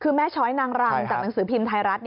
คือแม่ช้อยนางรำจากหนังสือพิมพ์ไทยรัฐ